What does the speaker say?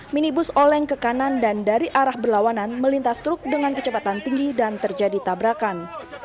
minibus oleng ke kanan dan dari arah berlawanan melintas truk dengan kecepatan tinggi dan terjadi tabrakan